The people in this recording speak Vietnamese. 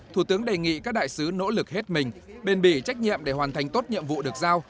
thủ tướng đề nghị các đại sứ nỗ lực hết mình bền bỉ trách nhiệm để hoàn thành tốt nhiệm vụ được giao